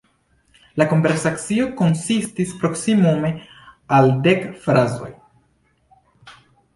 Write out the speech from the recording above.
La konversacio konsistis proksimume al dek frazoj.